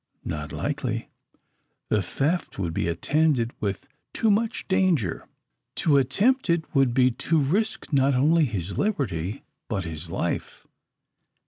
Not likely. The theft would be attended with too much danger. To attempt it would be to risk not only his liberty, but his life.